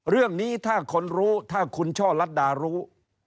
เรื่องนี้ถ้าคนรู้ถ้าคุณช่อลัดดารู้